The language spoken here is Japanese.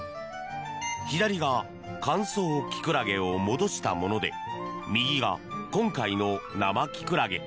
左が乾燥キクラゲを戻したもので右が今回の生キクラゲ。